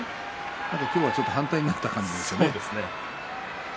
今日はちょっと反対になった感じですね。